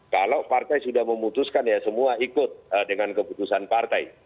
kalau partai sudah memutuskan ya semua ikut dengan keputusan partai